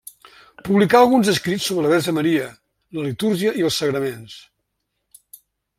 Publicà alguns escrits sobre la verge Maria, la litúrgia i els sagraments.